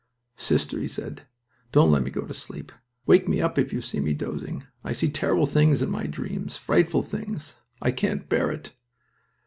"Sister," he said, "don't let me go to sleep. Wake me up if you see me dozing. I see terrible things in my dreams. Frightful things. I can't bear it."